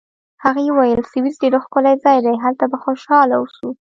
هغې وویل: سویس ډېر ښکلی ځای دی، هلته به خوشحاله واوسو.